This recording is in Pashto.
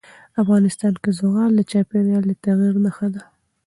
افغانستان کې زغال د چاپېریال د تغیر نښه ده.